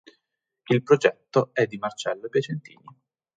Il progetto è di Marcello Piacentini.